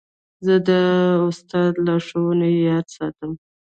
زه د استاد لارښوونې یاد ساتم.